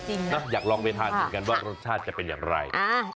อยากลองไปทานเหมือนกันว่ารสชาติจะเป็นอย่างไร